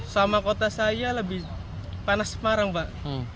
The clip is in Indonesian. sama kota saya lebih panas semarang pak